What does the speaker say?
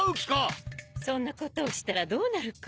そんなことをしたらどうなるか。